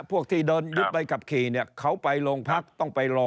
พวกที่ยืดไปกับขี่เนี่ยเขาไปโรงพักต้องไปรอ